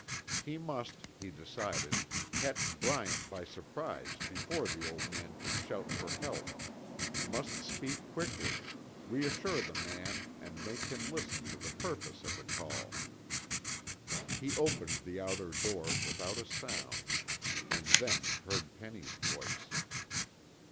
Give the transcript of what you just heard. He must, he decided, catch Bryant by surprise before the old man could shout for help; must speak quickly, reassure the man and make him listen to the purpose of the call. He opened the outer door without a sound, and then heard Penny's voice.